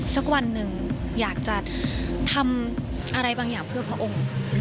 สักวันหนึ่งอยากจะทำอะไรบางอย่างเพื่อพระองค์